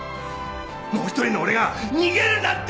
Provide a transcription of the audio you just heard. もう一人の俺が逃げるなって